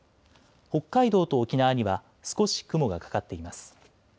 北海道と沖縄には少し雲がかかっています。